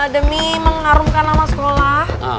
demi mengharumkan nama sekolah